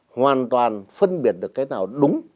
hoàn toàn phân biệt được cái nào đúng